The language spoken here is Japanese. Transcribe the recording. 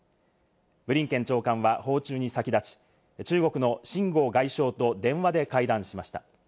ブリンケン長官は訪中に先立ち中国のシン・ゴウ外相と電話で会談しました。